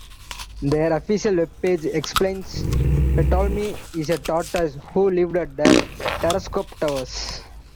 Their official web page explains, Ptolemy is a tortoise who lives at Terrascope Towers.